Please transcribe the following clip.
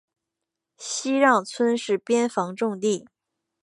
西让村是边防重地。